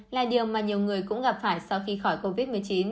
là điều mà nhiều người cũng gặp phải sau khi khỏi covid một mươi chín